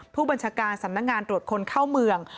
ผู้บัญชาการสำนักงานตรวจคนเข้าเมือง